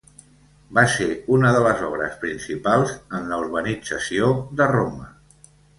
Va ser una de les obres principals en la urbanització de Roma.